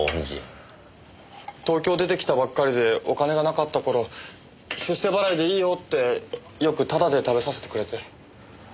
東京出てきたばっかりでお金がなかった頃出世払いでいいよってよくタダで食べさせてくれて。